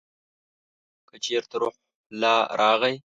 که چېرته روح الله راغی !